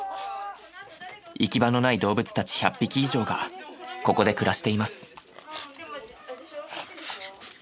行き場のない動物たち１００匹以上がここで暮らしています。